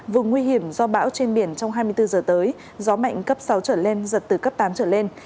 vùng nguy hiểm do bão trên biển trong hai mươi bốn giờ tới gió mạnh cấp sáu trở lên giật từ cấp tám trở lên